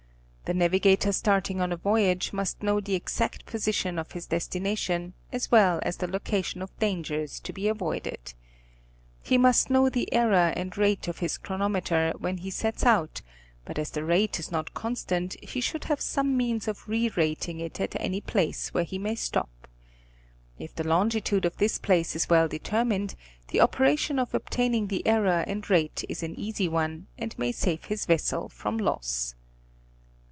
The navigator starting on a voyage must know the exact position of his destination as well as the location of dangers to be avoided. He must know the error and rate of his chronometer when he sets out, but as the rate is not constant he should have some means of re rating it at any place where he may stop. If the longitude of this place is well determined, the operation of obtaining the error and rate is an easy one, and may save his vessel from loss.